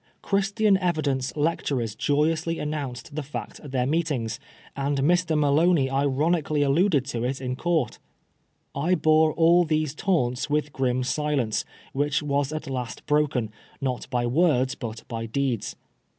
Christian Evidence lecturers joyously announced the fact at their meetings, and Mr. Maloney ironically alluded to it in Court. I bore all these taunts with grim silence, which was at last broken, not by words, but by deeds.